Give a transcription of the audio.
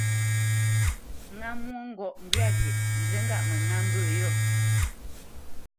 Ŋá mwôŋgɔʼ ŋgywâ wye, nzí ŋgâʼ mə ŋá mbə̂ yô.